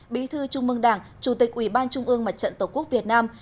bí thư trung mương đảng chủ tịch ủy ban trung ương mặt trận tổ quốc việt nam